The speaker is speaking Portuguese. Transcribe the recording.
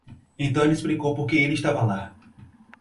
Então ele explicou por que ele estava lá.